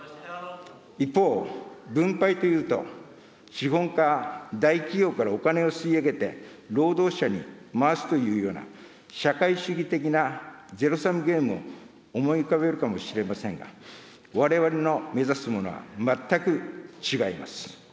一方、分配というと、資本家、大企業からお金を吸い上げて労働者に回すというような、社会主義的なゼロサムゲームを思い浮かべるかもしれませんが、われわれの目指すものは全く違います。